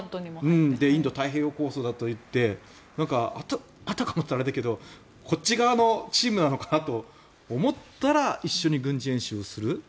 インド太平洋構想だといってあたかもと言うとあれだけどこっち側のチームなのかなと思ったら一緒に軍事演習をする。